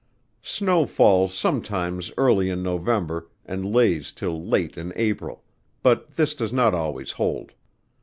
Snow falls sometimes early in November, and lays till late in April; but this does not always hold.